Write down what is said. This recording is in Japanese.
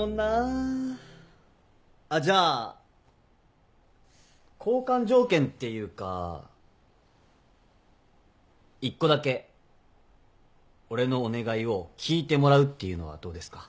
あっじゃあ交換条件っていうか１個だけ俺のお願いを聞いてもらうっていうのはどうですか？